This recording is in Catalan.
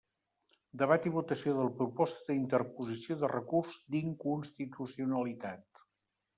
Debat i votació de la proposta d'interposició de recurs d'inconstitucionalitat.